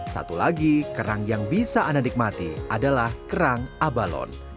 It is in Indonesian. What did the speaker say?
satu lagi kerang yang bisa anda nikmati adalah kerang abalon